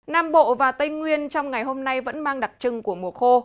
nam bộ và tây nguyên trong ngày hôm nay vẫn mang đặc trưng của mùa khô